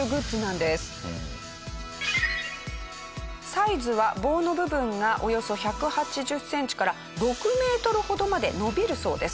サイズは棒の部分がおよそ１８０センチから６メートルほどまで伸びるそうです。